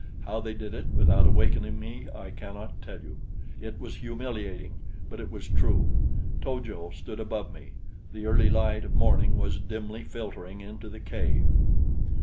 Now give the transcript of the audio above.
How they did it without awakening me I cannot tell you. It was humiliating, but it was true. To jo stood above me. The early light of morning was dimly filtering into the cave.